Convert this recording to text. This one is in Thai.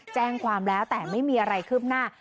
แจ้งความแล้วแต่ไม่มีอะไรคืบหน้า